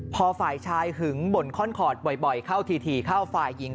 พอฝ่ายชายหึงบ่นค่อนคอร์ดบ่อยเข้าถี่เข้าฝ่ายหญิง